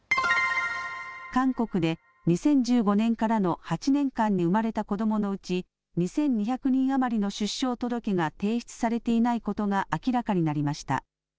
韓国で２０１５年からの８年間に生まれた子どものうち２２００人余りの出生届が提出されていないことが明らかになりました。